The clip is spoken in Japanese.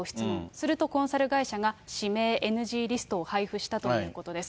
するとコンサル会社が、指名ＮＧリストを配布したということです。